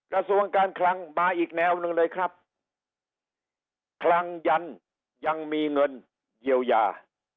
กระทรวงการคลังมาอีกแนวหนึ่งเลยครับคลังยันยังมีเงินเยียวยา